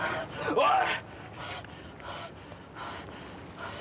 おい。